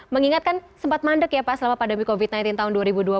mengingatkan sempat mandek ya pak selama pandemi covid sembilan belas tahun dua ribu dua puluh